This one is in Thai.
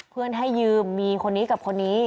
เพื่อนให้ยืมมีคนนี้กับคนนี้